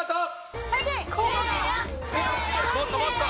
もっともっと！